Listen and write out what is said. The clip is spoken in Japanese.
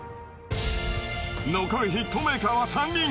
［残るヒットメーカーは３人］